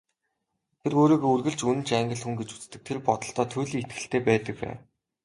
Тэр өөрийгөө үргэлж үнэнч Англи хүн гэж үздэг, тэр бодолдоо туйлын итгэлтэй байдаг байв.